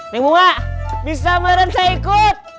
neng bunga bisa merencah ikut